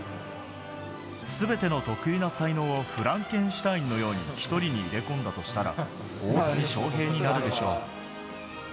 すべての特異な才能をフランケンシュタインのように１人に入れ込んだとしたら、大谷翔平になるでしょう。